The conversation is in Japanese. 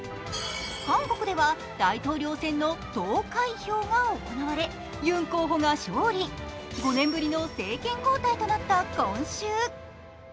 韓国では大統領選の投開票が行われユン候補が勝利、５年ぶりの政権交代となった今週。